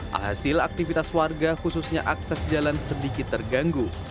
alhasil aktivitas warga khususnya akses jalan sedikit terganggu